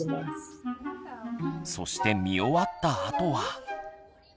そして見終わったあとは。